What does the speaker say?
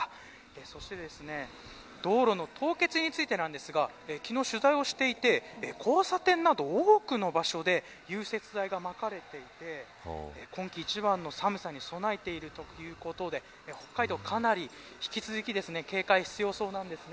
そして道路の凍結についてなんですが昨日、取材をしていて交差点など多くの場所で融雪剤がまかれていて今季一番の寒さに備えているということで北海道、かなり引き続き警戒が必要そうなんですね。